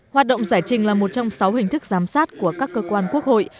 hoạt động giải trình là một trong sáu hình thức giám sát của các cơ quan quốc hội